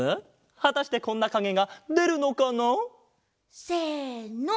はたしてこんなかげがでるのかな？せの！